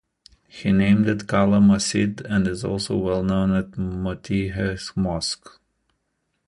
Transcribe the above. He named it Kala Masjid and is also well known as Motijheel Mosque.